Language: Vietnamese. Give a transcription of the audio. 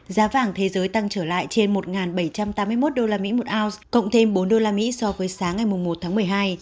giá vàng thế giới tăng trở lại trên một bảy trăm tám mươi một usd một ounce cộng thêm bốn usd so với sáng ngày một tháng một mươi hai